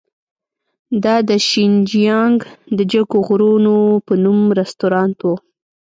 دا د شینجیانګ د جګو غرونو په نوم رستورانت و.